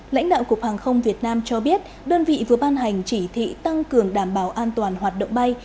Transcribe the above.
lãnh đạo cục hàng không việt nam cho biết đơn vị vừa ban hành chỉ thị tăng cường đảm bảo an toàn hoạt động bay